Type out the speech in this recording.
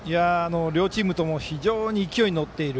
両チームとも非常に勢いに乗っている。